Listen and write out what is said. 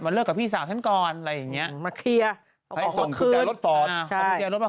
แล้วก็กุญแจบ้านอะไรอย่างนี้ประมาณนั้น